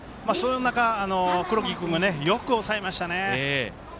黒木君がよく抑えましたね。